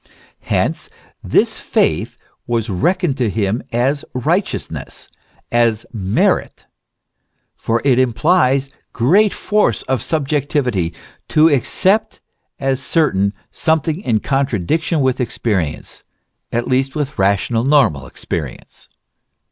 Hence this faith was reckoned to him as righteousness, as merit ; for it implies great force of subjectivity to accept as certain something in contradiction with experience, at least with rational, normal experience.